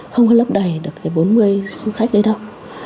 không có lấp đầy được cái bốn mươi khách đấy đâu